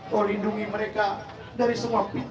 kau lindungi mereka